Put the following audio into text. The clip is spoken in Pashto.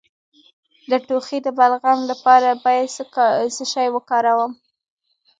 د ټوخي د بلغم لپاره باید څه شی وکاروم؟